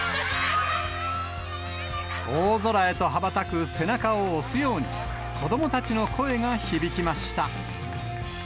大空へとはばたく背中を押すように、子どもたちの声が響きました。